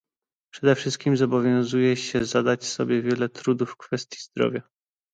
Przede wszystkim zobowiązuję się zadać sobie wiele trudu w kwestii zdrowia